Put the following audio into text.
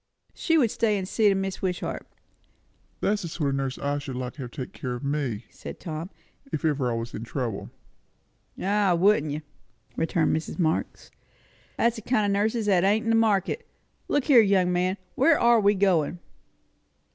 She would stay and see to Mrs. Wishart." "That's the sort of nurse I should like to have take care of me," said Tom, "if ever I was in trouble." "Ah, wouldn't you!" returned Mrs. Marx. "That's a kind o' nurses that ain't in the market. Look here, young man where are we going?"